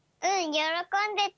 よろこんでた！